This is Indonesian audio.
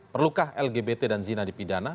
perlukah lgbt dan zina dipidana